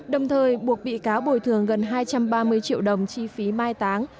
đồng thời buộc bị cáo bồi thường gần hai trăm ba mươi triệu đồng chi phí mai táng